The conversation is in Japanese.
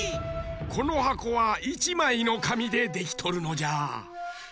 このはこは１まいのかみでできとるのじゃ。